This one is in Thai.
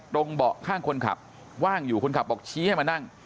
เบาะข้างคนขับว่างอยู่คนขับบอกชี้ให้มานั่ง